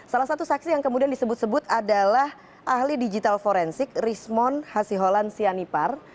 salah satu saksi yang kemudian disebut sebut adalah ahli digital forensik rismond hasiholan sianipar